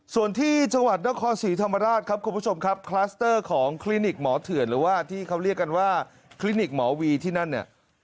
ส่วนที่จังหวัดนครศรีธรรมราชครับคุณผู้ชมครับคลัสเตอร์ของคลินิกหมอเถื่อนหรือว่าที่เขาเรียกกันว่าคลินิกหมอวีที่นั่นเนี่ย